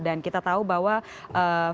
dan kita tahu bahwa visi misi perusahaan ini